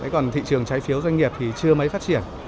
còn thị trường trái phiếu doanh nghiệp thì chưa mấy phát triển